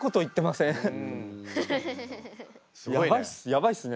やばいっす。